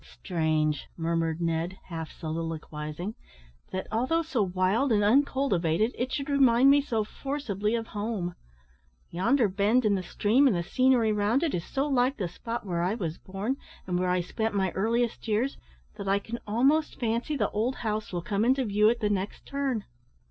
"Strange," murmured Ned, half soliloquising, "that, although so wild and uncultivated, it should remind me so forcibly of home. Yonder bend in the stream, and the scenery round it, is so like to the spot where I was born, and where I spent my earliest years, that I can almost fancy the old house will come into view at the next turn."